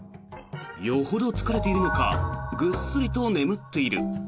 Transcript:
よほど疲れているのかぐっすりと眠っている。